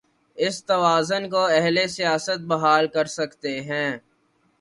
اس توازن کو اہل سیاست بحال کر سکتے ہیں۔